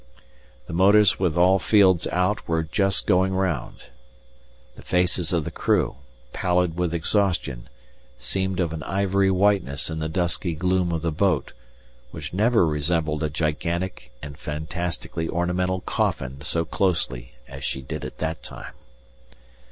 The motors with all fields out were just going round. The faces of the crew, pallid with exhaustion, seemed of an ivory whiteness in the dusky gloom of the boat, which never resembled a gigantic and fantastically ornamental coffin so closely as she did at that time.